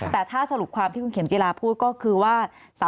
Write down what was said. แต่ถ้าสรุปความที่คุณเข็มจิลาพูดก็คือว่า